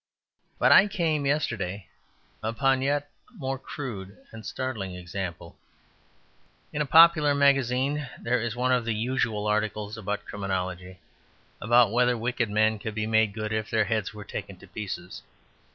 But I came yesterday upon a yet more crude and startling example. In a popular magazine there is one of the usual articles about criminology; about whether wicked men could be made good if their heads were taken to pieces.